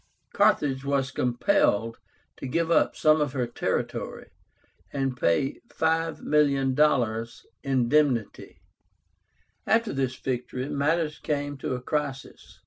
Carthage was compelled to give up some of her territory, and pay $5,000,000 indemnity. After this victory, matters came to a crisis.